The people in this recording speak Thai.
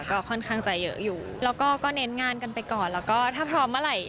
ก็ค่อนข้างจะเยอะอยู่แล้วก็ก็เน้นงานกันไปก่อนแล้วก็ถ้าพร้อมเมื่อไหร่